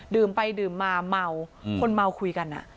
ดื่มไปดื่มมาเมาคนเมาคุยกัน